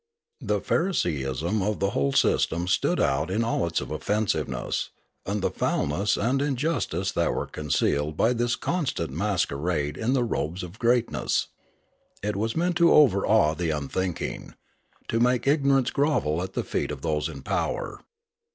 The pharisaism of the whole system stood out in all its offensiveness, and the foulness and injustice that were concealed by this constant mas querade in the robes of greatness. It was meant to overawe the unthinking, to make ignorance grovel at the feet of those in power.